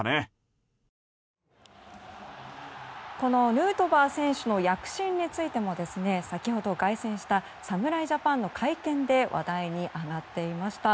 ヌートバー選手の躍進についても先ほど凱旋した侍ジャパンの会見で話題に上がっていました。